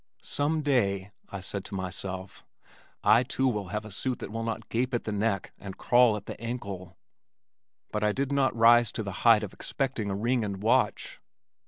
"Some day," I said to myself, "I too, will have a suit that will not gape at the neck and crawl at the ankle," but I did not rise to the height of expecting a ring and watch.